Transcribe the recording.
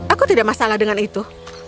aku tidak masalah dengan itu